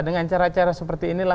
dengan cara cara seperti inilah